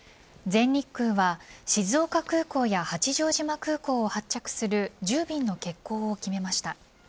全日空は静岡空港や八丈島空港を発着する１０便の欠航を決めました。